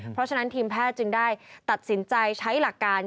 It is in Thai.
เพราะฉะนั้นทีมแพทย์จึงได้ตัดสินใจใช้หลักการ